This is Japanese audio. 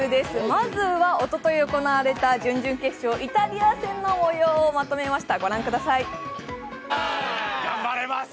まずはおととい行われた準々決勝、イタリア戦の模様をまとめました。